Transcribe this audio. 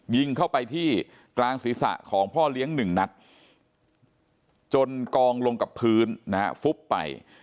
ยิงเข้าไปที่กลางศีรษะของพ่อเลี้ยง๑นัดจนกองลงกับพื้นนะฮะฟุบไป